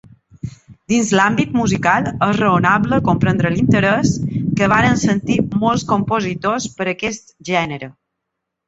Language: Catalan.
Dins l'àmbit musical, és raonable comprendre l'interès que varen sentir molts compositors per aquest gènere.